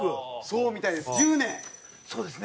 そうみたいです。